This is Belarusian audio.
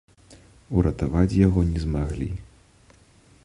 Уратаваць яго не змаглі.